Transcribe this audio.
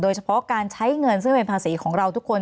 โดยเฉพาะการใช้เงินซึ่งเป็นภาษีของเราทุกคน